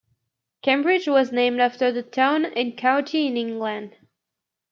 Cambridge was named after the town and county in England.